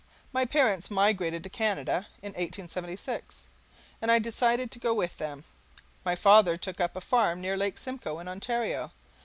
My parents migrated to Canada in 1876, and I decided to go with them. My father took up a farm near Lake Simcoe, in Ontario.